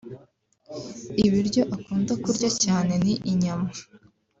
ibiryo akunda kurya cyane ni inyama